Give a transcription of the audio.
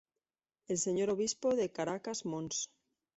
El Señor obispo de Caracas Mons.